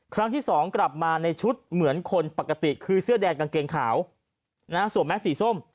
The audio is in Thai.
ครั้งที่สองกลับมาในชุดเหมือนคนปกติคือเสื้อแดงกางเกงขาวสวมแมสสีส้ม